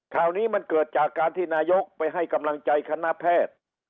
ข่าวนี้มันเกิดจากการที่นายกไปให้กำลังใจคณะแพทย์